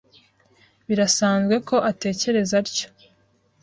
Birasanzwe ko atekereza atyo.